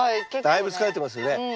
だいぶ疲れてますよね。